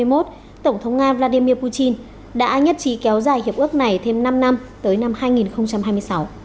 năm hai nghìn hai mươi một tổng thống nga vladimir putin đã nhất trí kéo dài hiệp ước này thêm năm năm tới năm hai nghìn hai mươi sáu